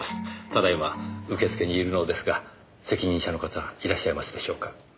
ただ今受付にいるのですが責任者の方いらっしゃいますでしょうか？